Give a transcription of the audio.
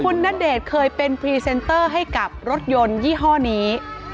คุณณเดชน์เคยเป็นพรีเซนเตอร์ให้กับรถยนต์ยี่ห้อนี้